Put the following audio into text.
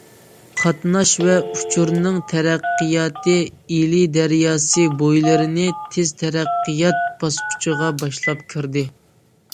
قاتناش ۋە ئۇچۇرنىڭ تەرەققىياتى ئىلى دەرياسى بويلىرىنى تېز تەرەققىيات باسقۇچىغا باشلاپ كىردى.